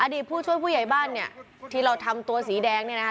ผู้ช่วยผู้ใหญ่บ้านเนี่ยที่เราทำตัวสีแดงเนี่ยนะคะ